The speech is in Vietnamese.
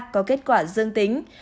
có kết quả dương tính